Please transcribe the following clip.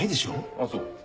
あぁそう。